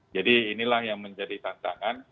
jadi inilah yang menjadi tantangan